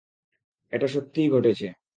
এটা সত্যিই ঘটছে!